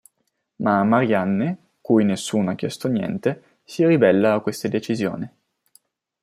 Ma Marianne, cui nessuno ha chiesto niente, si ribella a questa decisione.